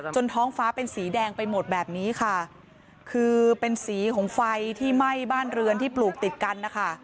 ท้องฟ้าเป็นสีแดงไปหมดแบบนี้ค่ะคือเป็นสีของไฟที่ไหม้บ้านเรือนที่ปลูกติดกันนะคะ